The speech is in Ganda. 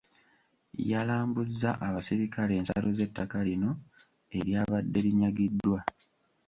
Yalambuzza abaserikale ensalo z’ettaka lino eryabadde linyagiddwa.